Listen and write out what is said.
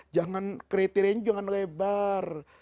jangan kriteriannya lebar